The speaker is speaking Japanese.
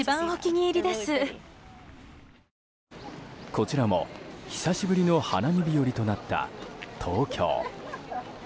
こちらも、久しぶりの花見日和となった東京。